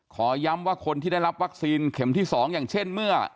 ขอย้ำว่าคนที่ได้รับวัคซีนเข็มที่๒อย่างเช่นเมื่อ